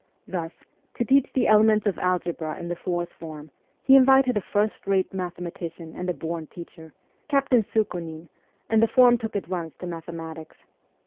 Thus, to teach the elements of algebra in the fourth form he invited a first rate mathema tician and a born teacher, Captain Sukh6nin, and the form took at once to mathematics.